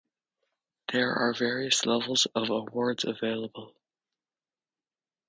There are various levels of Awards available.